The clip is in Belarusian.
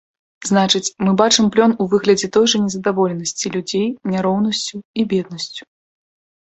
Значыць, мы бачым плён у выглядзе той жа незадаволенасці людзей няроўнасцю і беднасцю.